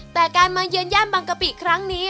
แต่การมาเยือนย่านบางกะปิครั้งนี้